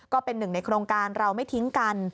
ก็เป็นหนึ่งในโครงการเราไม่ทิ้งกัน